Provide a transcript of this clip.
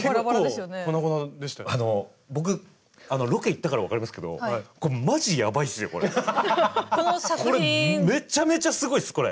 あの僕ロケ行ったから分かりますけどこれめちゃめちゃすごいっすこれ。